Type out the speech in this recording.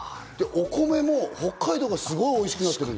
お米も北海道がすごくおいしくなってる。